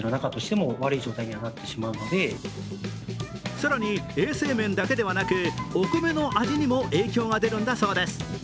更に衛生面だけでなく、お米の味にも影響が出るんだそうです。